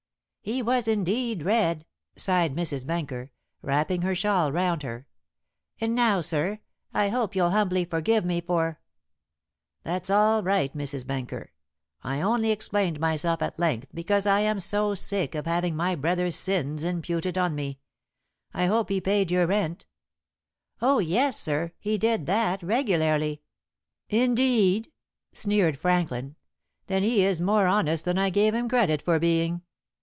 "He was indeed red," sighed Mrs. Benker, wrapping her shawl round her; "and now, sir, I hope you'll humbly forgive me for " "That's all right, Mrs. Benker. I only explained myself at length because I am so sick of having my brother's sins imputed on me. I hope he paid your rent." "Oh, yes, sir, he did that regularly." "Indeed," sneered Franklin; "then he is more honest than I gave him credit for being.